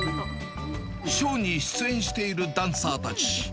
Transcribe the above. ショーに出演しているダンサーたち。